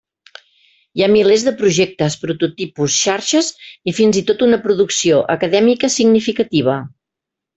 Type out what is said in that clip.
Hi ha milers de projectes, prototipus, xarxes i fins i tot una producció acadèmica significativa.